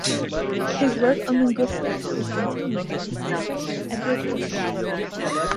His work on linguistics was continued by his successor Edward Horace Man.